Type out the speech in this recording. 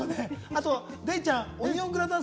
デイちゃん、オニオングラタン